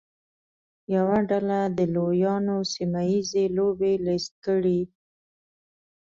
یوه ډله د لویانو سیمه ییزې لوبې لیست کړي.